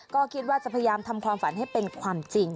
ก็คิดว่าจะพยายามทำความฝันให้เป็นความจริง